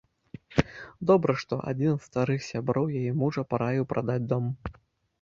Добра, што адзін з старых сяброў яе мужа параіў прадаць дом.